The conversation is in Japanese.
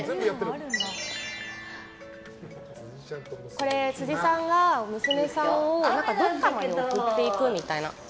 これ、辻さんが娘さんをどこかまで送っていくみたいな。